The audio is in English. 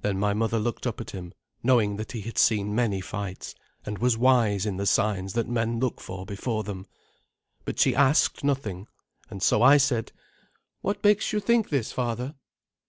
Then my mother looked up at him, knowing that he had seen many fights, and was wise in the signs that men look for before them; but she asked nothing, and so I said, "What makes you think this, father?"